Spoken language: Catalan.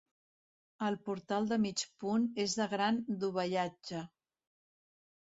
El portal de mig punt és de gran dovellatge.